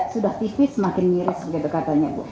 sudah tipis semakin miris begitu katanya bu